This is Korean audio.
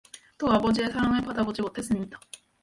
또 아버지의 사랑을 받아 보지 못했읍니다.